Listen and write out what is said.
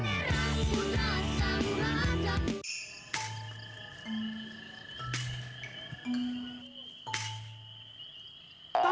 aku juga nggak tau